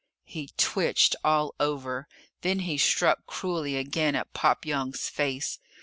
He twitched all over. Then he struck cruelly again at Pop Young's face.